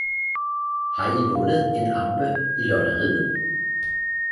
Har I vundet en ambe i lotteriet?